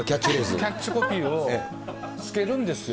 キャッチコピーをつけるんですよ。